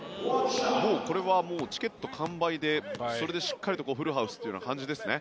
もうこれはチケット完売でそれでしっかりとフルハウスという感じですね。